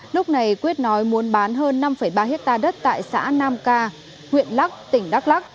lúc này quyết nói muốn bán hơn năm ba hectare đất tại xã nam ca huyện lắc tỉnh đắk lắc